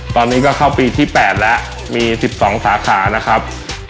ตอนนี้ก็เข้าปีที่๘แล้วมี๑๒สาขานะครับ